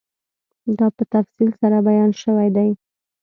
دا په تفصیل سره بیان شوی دی